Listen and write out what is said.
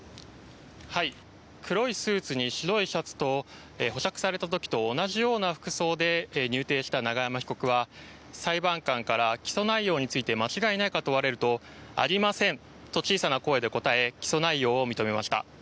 黒いスーツに白いシャツと保釈された時と同じような服装で入廷した永山被告は裁判官から起訴内容について間違いないか問われるとありませんと小さな声で答え起訴内容を認めました。